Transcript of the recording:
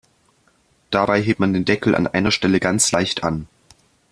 Dabei hebt man den Deckel an einer Stelle ganz leicht an.